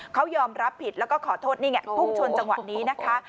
เขายอมรับผิดแล้วก็ขอโทษนี่ไงพุ่งชนจังหวะนี้นะคะ